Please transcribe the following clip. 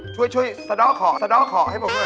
ช่วยสะดอกขอให้ผมด้วย